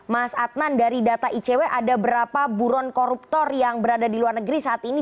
mas adnan dari data icw ada berapa buron koruptor yang berada di luar negeri saat ini